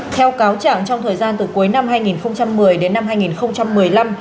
theo cáo chẳng trong thời gian từ cuối năm hai nghìn một mươi đến năm hai nghìn một mươi năm